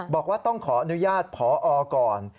บอกว่าต้องขออนุญาตผอก่อน